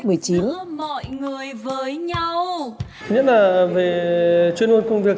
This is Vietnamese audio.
thứ nhất là về chuyên môn công việc